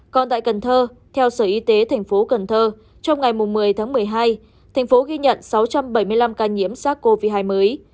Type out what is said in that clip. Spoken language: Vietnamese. còn tại cần thơ theo sở y tế thành phố cần thơ trong ngày một mươi tháng một mươi hai thành phố ghi nhận sáu trăm bảy mươi năm ca nhiễm sars cov hai mới